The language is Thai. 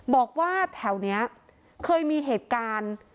บอกว่าแถวนี้เคยมีเหตุการณ์